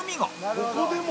「ここでも」